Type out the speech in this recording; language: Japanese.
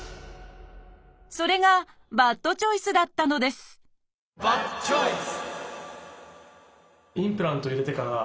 それがバッドチョイスだったのですバッドチョイス！